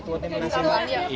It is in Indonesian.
ketua tim menara sehat ya pak